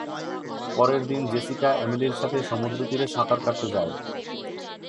পরের দিন জেসিকা এমিলির সঙ্গে সমুদ্রতীরে সাঁতার কাটতে যায়।